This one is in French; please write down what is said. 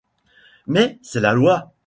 Mais c'est la Loi !